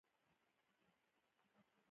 چې د خپلو لویانو له ژوند نه خبر شو.